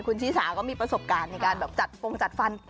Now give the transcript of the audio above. คุณชีสาก็มีประสบการณ์ในการจัดฟัน